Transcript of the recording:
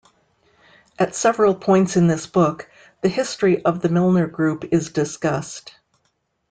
At several points in this book, the history of the Milner group is discussed.